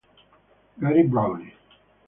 Gary Browne